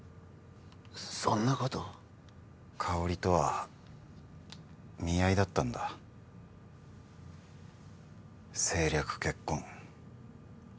そんなこと香織とは見合いだったんだ政略結婚